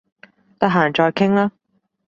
得閒再傾啦